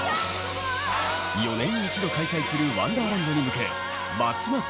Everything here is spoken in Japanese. ４年に一度開催するワンダーランドに向けますます